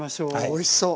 おいしそう！